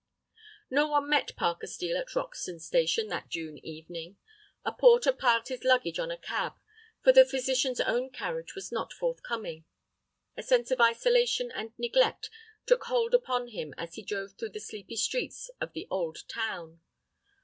No one met Parker Steel at Roxton station that June evening. A porter piled his luggage on a cab, for the physician's own carriage was not forthcoming. A sense of isolation and neglect took hold upon him as he drove through the sleepy streets of the old town.